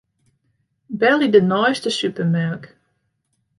Belje de neiste supermerk.